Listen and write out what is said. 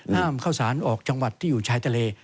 ห้ามเข้าสารออกจังหวัดที่อยู่ชายทะเล